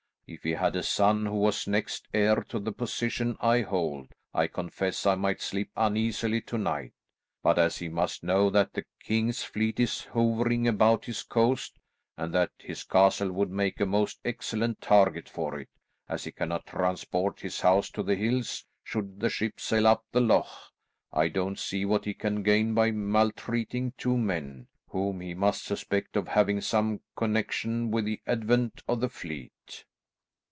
If he had a son who was next heir to the position I hold, I confess I might sleep uneasily to night; but as he must know that the king's fleet is hovering about his coast, and that his castle would make a most excellent target for it, as he cannot transport his house to the hills should the ships sail up the loch, I don't see what he can gain by maltreating two men, whom he must suspect of having some connection with the advent of the fleet."